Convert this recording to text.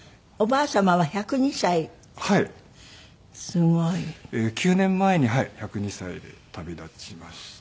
すごい。９年前に１０２歳で旅立ちました。